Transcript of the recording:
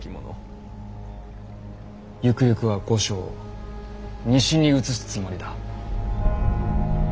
ゆくゆくは御所を西に移すつもりだ。